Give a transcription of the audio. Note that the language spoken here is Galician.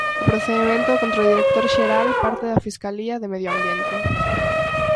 O procedemento contra o director xeral parte da Fiscalía de Medio Ambiente.